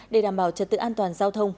để đảm bảo trật tự an toàn giao thông